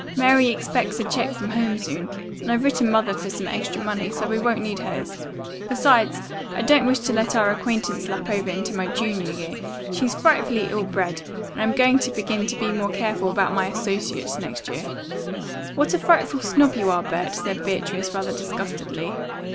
Mary expects a check from home soon, and I've written Mother for some extra money, so we won't need hers. Besides, I don't wish to let our acquaintance lap over into my junior year. She's frightfully ill bred, and I'm going to begin to be more careful about my associates next year." "What a frightful snob you are, Bert," said Beatrice rather disgustedly.